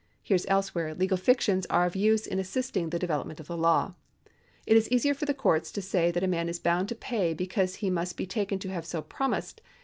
Here as elsewhere, legal fictions are of use in assisting the development of the law. It is easier for the courts to say that a man is bound to pay because he must be taken to have so promised, 1 Smith V.